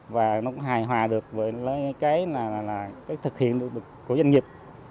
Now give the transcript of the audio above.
và hài hòa được với thực hiện của doanh nghiệp